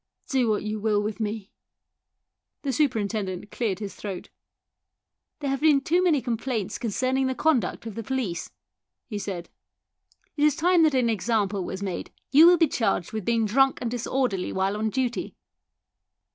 Do what you will with me." The superintendent cleared his throat. " There have been too many complaints concerning the conduct of the police," he said ;" it is time that an example was made. You will be charged with being drunk and dis orderly while on duty."